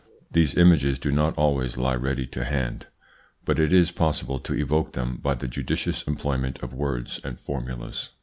These images do not always lie ready to hand, but it is possible to evoke them by the judicious employment of words and formulas.